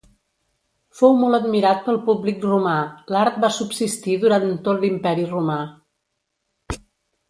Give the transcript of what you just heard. Fou molt admirat pel públic romà; l'art va subsistir durant tot l'Imperi romà.